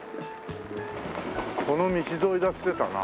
この道沿いだって言ってたな。